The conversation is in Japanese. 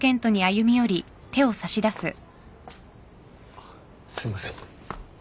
あっすいません。